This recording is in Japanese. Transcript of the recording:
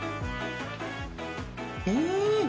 うん！